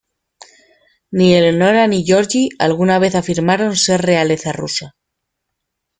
Ni Eleonora ni Georgi alguna vez afirmaron ser realeza rusa.